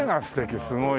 すごいね。